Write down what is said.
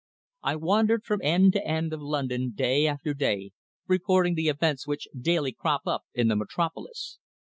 I wandered from end to end of London day after day, reporting the events which daily crop up in the Metropolis.